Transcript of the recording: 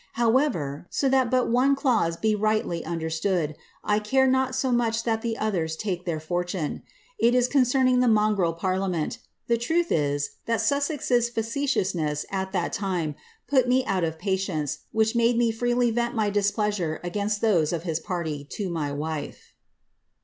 How ner, so that but one clause be rightly understood, I care not much so . Aat the others take their fortune. It is concerning the mongrel parlia : ant : the truth is, that Sussez^s factiousness, at that time, put me out «f patience, which made me freely vent my displeasure against those of Im party to my wife."